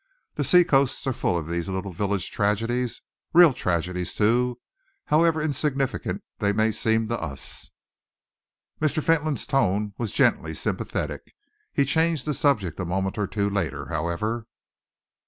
The seacoasts are full of these little village tragedies real tragedies, too, however insignificant they may seem to us." Mr. Fentolin's tone was gently sympathetic. He changed the subject a moment or two later, however.